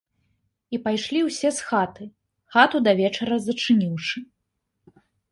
І пайшлі ўсе з хаты, хату да вечара зачыніўшы.